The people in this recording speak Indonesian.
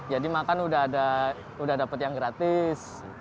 jadi makan udah ada udah dapat yang gratis